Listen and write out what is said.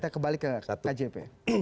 kembali ke kjp